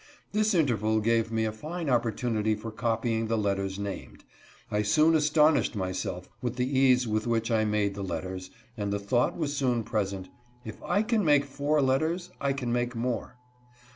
This interval gave me a fine opportunity for copying the letters named. I soon astonished myself with the ease with which I made the letters, and the thought was soon present, " If I can make four letters I can make more."